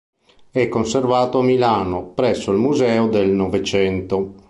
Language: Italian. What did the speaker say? È conservato a Milano presso il Museo del Novecento.